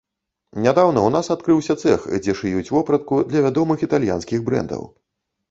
Нядаўна ў нас адкрыўся цэх, дзе шыюць вопратку для вядомых італьянскіх брэндаў.